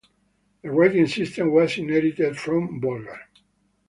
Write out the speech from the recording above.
The writing system was inherited from Bolgar.